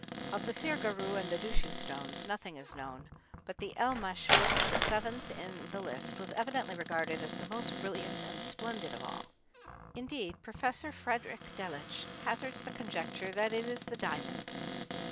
Of the sirgarru and dushu stones nothing is known, but the elmêshu, the seventh in the list, was evidently regarded as the most brilliant and splendid of all; indeed, Prof. Friedrich Delitzsch hazards the conjecture that it is the diamond.